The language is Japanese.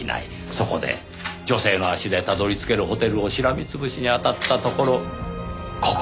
そこで女性の足でたどり着けるホテルをしらみ潰しにあたったところここに。